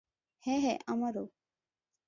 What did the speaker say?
হ্যাঁ, হ্যাঁ, আমারও।